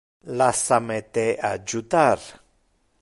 Lassa me te adjutar.